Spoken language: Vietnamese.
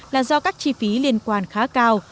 là do các chi phí liên quan khá cao